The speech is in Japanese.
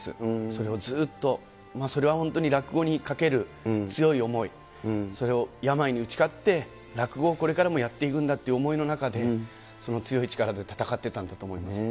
それをずっと、それは本当に落語にかける強い思い、それを、病に打ち勝って、落語をこれからもやっていくんだっていう思いの中で、その強い力で闘ってたんだと思います。